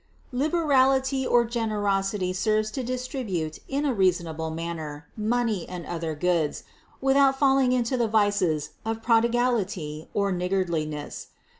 Liberality or generosity serves to distribute in a reasonable manner money or other goods, without falling into the vices of prodigality or niggardli ness.